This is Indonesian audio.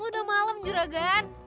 udah malem juragan